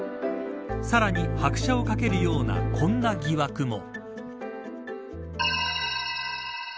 さらに拍車をかけるようなこんな疑惑も。